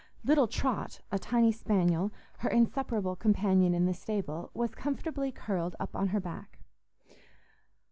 Little Trot, a tiny spaniel, her inseparable companion in the stable, was comfortably curled up on her back.